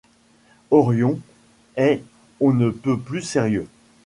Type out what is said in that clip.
Orion est on ne peut plus sérieux.